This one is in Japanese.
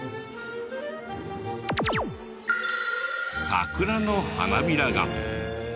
桜の花びらが。